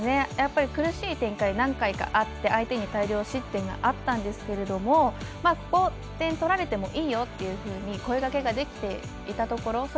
苦しい展開、何回かあって相手に大量失点があったんですがここ、点取られてもいいよというふうに声がけができていたところ。